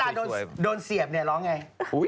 แล้วเวลาโดนเสียบเนี่ยร้องไง